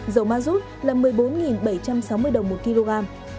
dầu ma rút là một mươi bốn bảy trăm sáu mươi đồng một kg